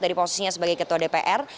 dari posisinya sebagai ketua dpr